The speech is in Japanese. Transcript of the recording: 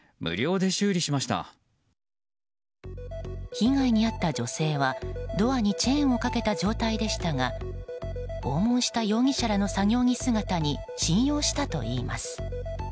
被害に遭った女性はドアにチェーンをかけた状態でしたが訪問した容疑者らの作業着姿に信用したといいます。